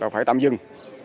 phải tạm dừng